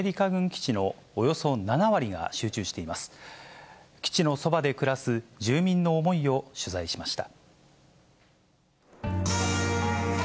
基地のそばで暮らす住民の思いを取材しました。